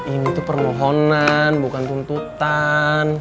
ini tuh permohonan bukan tuntutan